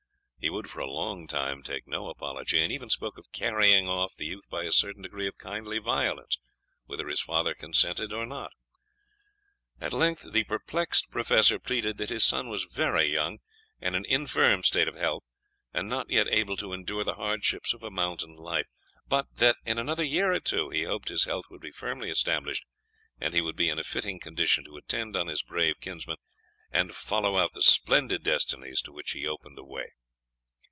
He would for a long time take no apology, and even spoke of carrying off the youth by a certain degree of kindly violence, whether his father consented, or not. At length the perplexed Professor pleaded that his son was very young, and in an infirm state of health, and not yet able to endure the hardships of a mountain life; but that in another year or two he hoped his health would be firmly established, and he would be in a fitting condition to attend on his brave kinsman, and follow out the splendid destinies to which he opened the way.